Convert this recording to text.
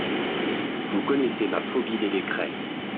Vous connaissez ma phobie des décrets.